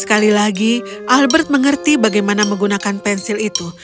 sekali lagi albert mengerti bagaimana menggunakan pensil itu